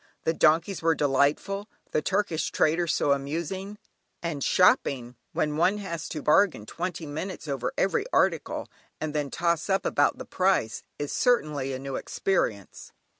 The donkeys were delightful, the Turkish traders so amusing, and shopping, when one has to bargain twenty minutes over every article, and then toss up about the price, is certainly a new experience.